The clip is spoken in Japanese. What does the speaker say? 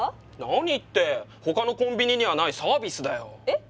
何ってほかのコンビニにはないサービスだよ。えっ！？